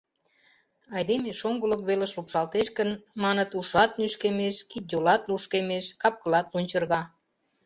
Айдеме шоҥгылык велыш лупшалтеш гын, маныт, ушат нӱшкемеш, кид-йолат лушкемеш, кап-кылат лунчырга.